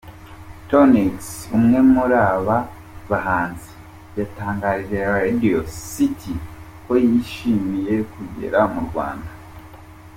Toniks, umwe muri aba bahanzi yatangarije Radio City ko yishimiye kugera mu Rwanda.